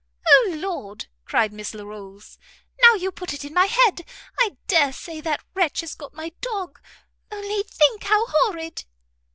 "O Lord," cried Miss Larolles, "now you put it in my head, I dare say that wretch has got my dog! only think how horrid!"